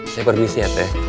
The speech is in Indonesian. saya permisi ya teh